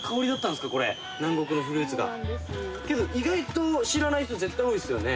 けど意外と知らない人絶対多いっすよね。